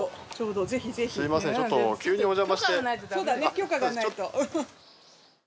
許可がないと。